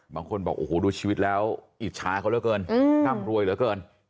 บางคนบอกโอ้โหดูชีวิตแล้วอิจฉาเขาเหลือเกินร่ำรวยเหลือเกิน